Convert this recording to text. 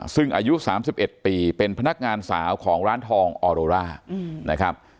ซึ่งอายุ๓๑ปีเป็นพนักงานสาวของร้านทองออโรร่านะครับ